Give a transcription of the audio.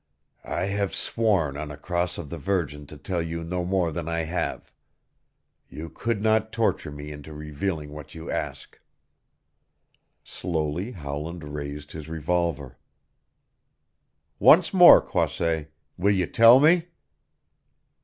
"I have sworn on a cross of the Virgin to tell you no more than I have. You could not torture me into revealing what you ask." Slowly Howland raised his revolver. "Once more, Croisset will you tell me?"